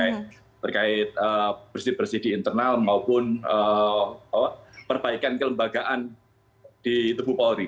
baik terkait bersih bersih di internal maupun perbaikan kelembagaan di tubuh polri